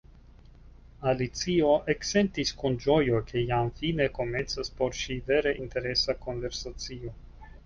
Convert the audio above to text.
Alicio eksentis kun ĝojo ke jam fine komencas por ŝi vere interesa konversacio.